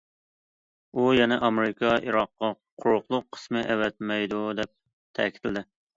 ئۇ يەنە ئامېرىكا ئىراققا قۇرۇقلۇق قىسمى ئەۋەتمەيدۇ دەپ تەكىتلىدى.